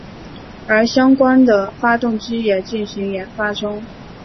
而相关的发动机也进行研发中。